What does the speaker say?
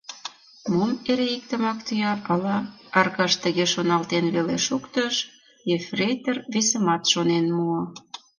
«Мом эре иктымак тӱя, ала?» — Аркаш тыге шоналтен веле шуктыш, ефрейтор весымат шонен муо.